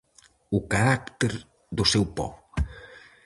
O carácter do seu pobo.